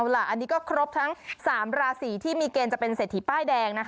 อันนี้ก็ครบทั้ง๓ราศีที่มีเกณฑ์จะเป็นเศรษฐีป้ายแดง